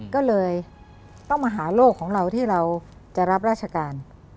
ก็เลยต้องมาหาโลกของเราที่เราจะรับราชการ